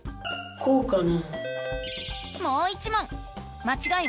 こうかな？